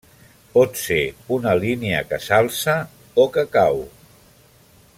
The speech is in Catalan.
Pot ser una línia que s'alça o que cau.